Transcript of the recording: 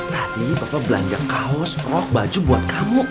tadi bapak belanja kaos prok baju buat kamu